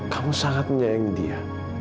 kamu sangat menyayangi dia